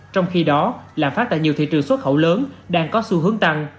trong khi đó lạm phát tại nhiều thị trường xuất khẩu lớn đang có xu hướng tăng